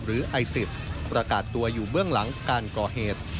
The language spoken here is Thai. ไอซิสประกาศตัวอยู่เบื้องหลังการก่อเหตุ